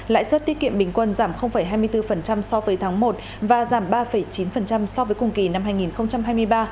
lãi suất tiết kiệm bình quân giảm hai mươi bốn so với tháng một và giảm ba chín so với cùng kỳ năm hai nghìn hai mươi ba